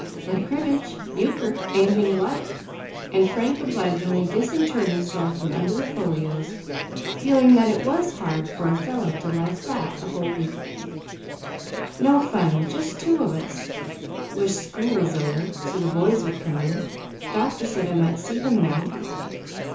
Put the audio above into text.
"Play cribbage, euchre, anything you like;" and Frank obligingly disinterred himself from under the folios, feeling that it was hard for a fellow to lie flat a whole week. "No fun; just two of us. Wish school was over, so the boys would come in; doctor said I might see them now."